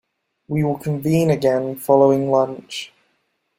We will convene again following lunch.